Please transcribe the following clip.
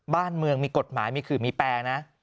บ้านเมืองมีกฎหมายมีขื่อมีแปรนะ